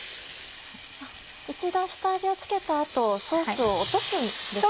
一度下味を付けた後ソースを落とすんですね。